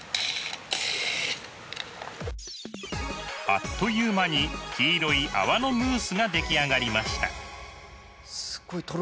あっという間に黄色い泡のムースが出来上がりました。